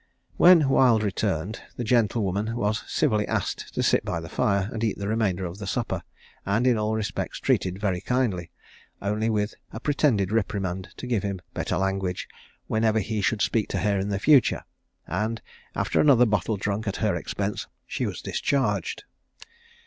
"When Wild returned, the gentlewoman was civilly asked to sit by the fire, and eat the remainder of the supper, and in all respects treated very kindly, only with a pretended reprimand to give him better language whenever he should speak to her for the future; and, after another bottle drunk at her expense, she was discharged."